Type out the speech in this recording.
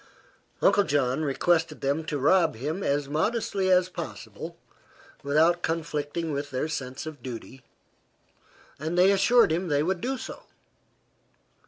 Uncle John requested them to rob him as modestly as possible without conflicting with their sense of duty, and they assured him they would do so.